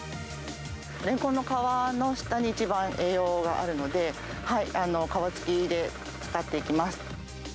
レンコンの皮の下に一番栄養があるので、皮つきで使っていきます。